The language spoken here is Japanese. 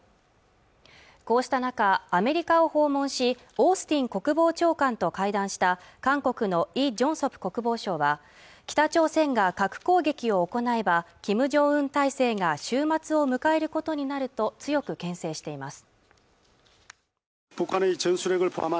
こうした中アメリカを訪問しオースティン国防長官と会談した韓国のイ・ジョンソプ国防省は北朝鮮が核攻撃を行えばキム・ジョンウン体制が終末を迎えることになると強くけん制しています